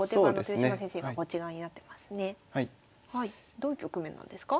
どういう局面なんですか？